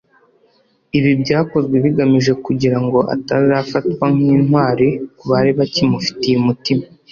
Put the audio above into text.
Ibi byakozwe bigamije kugira ngo atazafatwa nk’intwali ku bari bakimufitiye umutima